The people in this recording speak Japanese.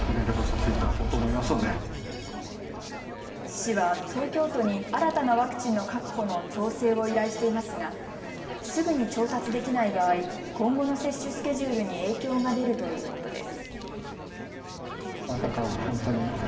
市は東京都に新たなワクチンの確保の調整を依頼していますがすぐに調達できない場合、今後の接種スケジュールに影響が出るということです。